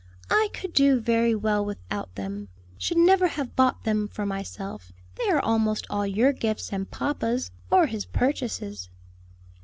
"I could do very well without them; should never have bought them for myself: they are almost all your gifts and papa's, or his purchases."